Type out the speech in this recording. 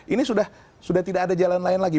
ini sudah tidak ada jalan lain lagi